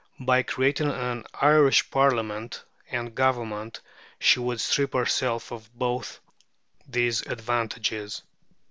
By creating an Irish Parliament and Government she would strip herself of both these advantages."